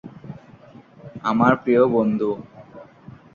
আমার প্রিয় বন্ধু!